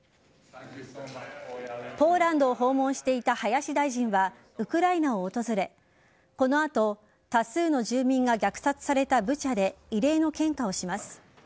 ポーランドを訪問していた林大臣はウクライナを訪れこの後多数の住民が虐殺されたブチャで慰霊の献花をします。